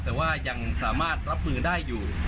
แต่ว่ายังสามารถรับมือได้อยู่